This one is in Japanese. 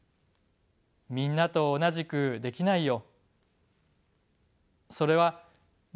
「みんなとおなじくできないよ」。